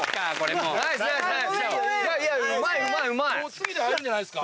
次で入るんじゃないですか？